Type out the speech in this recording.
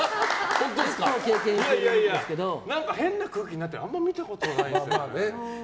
いやいやいや変な空気になってるのあまり見たことないですよ。